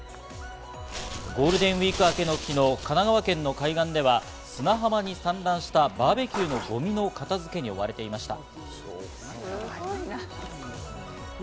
ゴールデンウイーク明けの昨日、神奈川県の海岸では砂浜に散乱したバーベキューのゴミの片付けに追われていました。